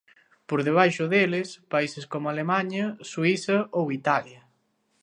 Por debaixo deles, países como Alemaña, Suíza ou Italia.